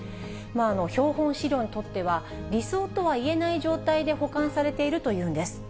標本資料にとっては、理想とはいえない状態で保管されているというんです。